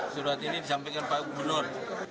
surat ini disampaikan pak gubernur